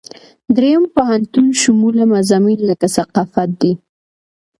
دریم پوهنتون شموله مضامین لکه ثقافت دي.